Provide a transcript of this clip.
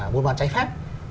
buôn bán giải phép